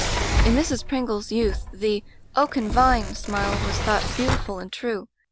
'*In Mrs. Pringle's youth the 'oak and vine' simile was thought beautiful and true.